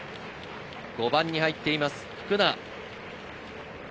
５番に入っている福田。